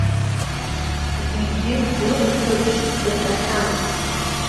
Зегьы лыҳәҳәабжь иаҳәахьан.